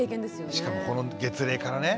しかもこの月齢からね。